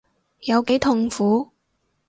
有幾痛苦